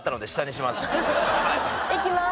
いきます。